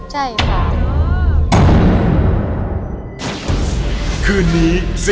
ใช่ค่ะ